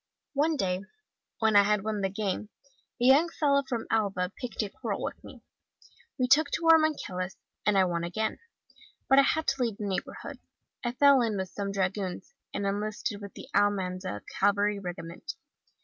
One day, when I had won the game, a young fellow from Alava picked a quarrel with me. We took to our maquilas,* and I won again. But I had to leave the neighbourhood. I fell in with some dragoons, and enlisted in the Almanza Cavalry Regiment.